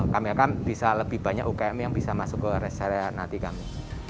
kami akan bisa lebih banyak umkm yang bisa masuk ke rest area nanti kami